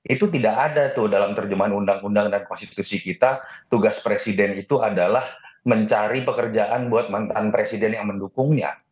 itu tidak ada tuh dalam terjemahan undang undang dan konstitusi kita tugas presiden itu adalah mencari pekerjaan buat mantan presiden yang mendukungnya